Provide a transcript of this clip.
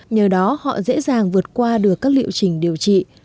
nhờ đó họ dễ dàng vượt qua được các liệu trình điều trị